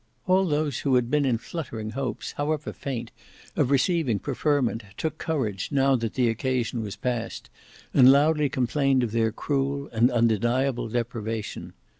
All those who had been in fluttering hopes, however faint, of receiving preferment, took courage now that the occasion had passed, and loudly complained of their cruel and undeniable deprivation.